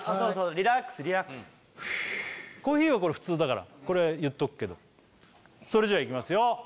リラックスリラックスコーヒーはこれ普通だから言っとくけどそれじゃいきますよ